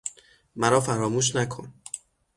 مرافراموش نکن